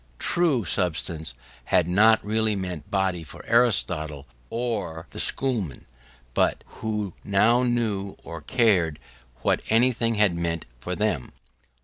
True, substance had not really meant body for Aristotle or the Schoolmen; but who now knew or cared what anything had meant for them?